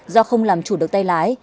do không làm chủ được tay lái